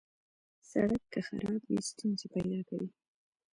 سړک که خراب وي، ستونزې پیدا کوي.